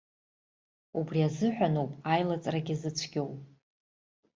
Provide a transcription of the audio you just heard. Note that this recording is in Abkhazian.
Убри азыҳәаноуп аилыҵрагьы зыцәгьоу.